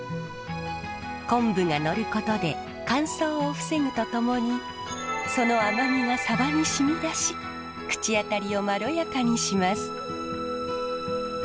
昆布がのることで乾燥を防ぐとともにその甘みがサバに染み出し口当たりをまろやかにします。